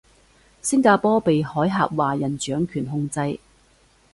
星加坡被海峽華人掌權控制